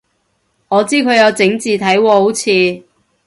我知佢有整字體喎好似